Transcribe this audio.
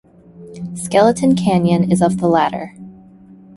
Skeleton Canyon is of the latter.